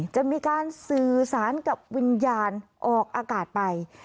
จะมีการสื่อสารกับวิญญาณออกอากาศไป